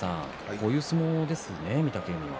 こういう相撲ですね、御嶽海は。